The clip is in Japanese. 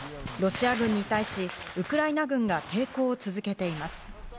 ロシア軍に対しウクライナ軍が抵抗を続けています。